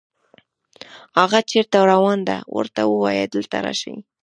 هاغه چېرته روان ده، ورته ووایه دلته راشي